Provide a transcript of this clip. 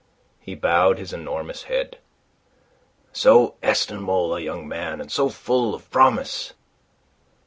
He bowed his enormous head. "So estimable a young man, and so full of promise.